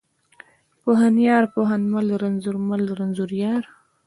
پوهنيار، پوهنمل، رنځورمل، رنځوریار.